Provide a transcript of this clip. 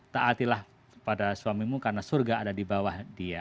taatilah pada suamimu karena surga ada di bawah dia